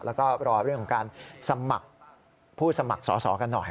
แล้วก็รอเรื่องของการสมัครผู้สมัครสอสอกันหน่อย